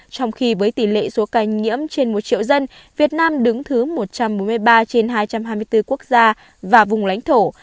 trong khi với tỷ lệ số ca nhiễm trên một triệu dân việt nam đứng thứ một trăm bốn mươi ba trên hai trăm hai mươi bốn quốc gia và vùng lãnh thổ